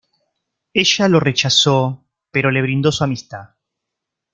Ella lo rechazó pero le brindó su amistad.